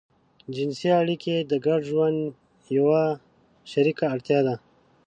جنسي اړيکې د ګډ ژوند يوه شريکه اړتيا ده.